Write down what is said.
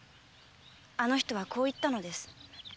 あの人はこう言ったのです。